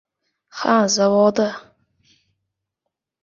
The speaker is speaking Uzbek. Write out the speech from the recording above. — Ha, zavodda!